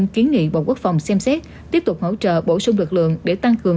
kiến nghị bộ quốc phòng xem xét tiếp tục hỗ trợ bổ sung lực lượng để tăng cường